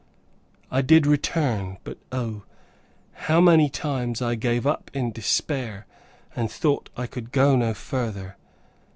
I did return; but O, how, many times I gave up in despair, and thought I could go no further!